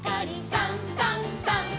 「さんさんさん」